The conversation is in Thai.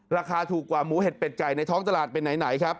ราคาถูกกว่าหมูเห็ดเป็ดไก่ในท้องตลาดเป็นไหนครับ